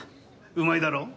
うまいだろ？